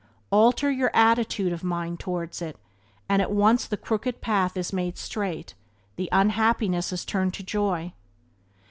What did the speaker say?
Alter your attitude of mind towards it, and at once the crooked path is made straight, the unhappiness is turned into joy.